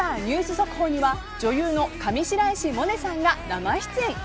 ニュース速報には女優の上白石萌音さんが生出演。